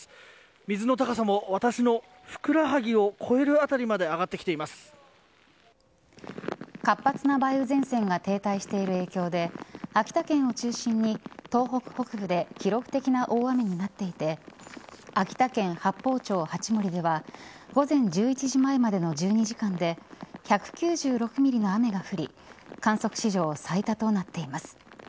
水の高さも、私のふくらはぎを越える辺りまで活発な梅雨前線が停滞している影響で秋田県を中心に、東北北部で記録的な大雨になっていて秋田県八峰町八森では午前１１時前までの１２時間で１９６ｍｍの雨が降り観測史上最多となっています。